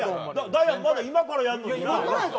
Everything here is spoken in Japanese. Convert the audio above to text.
ダイアンまだ今からやるのにな。